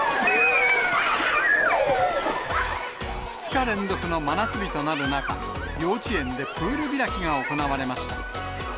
２日連続の真夏日となる中、幼稚園でプール開きが行われました。